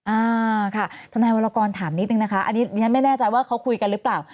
อ่าค่ะทนายวรกรถามนิดนึงนะคะอันนี้ดิฉันไม่แน่ใจว่าเขาคุยกันหรือเปล่า